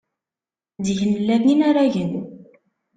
Zik nella d inaragen.